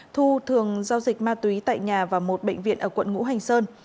thu thường giao dịch ma túy tại nhà và một bệnh viện ở quận ngũ hành sơn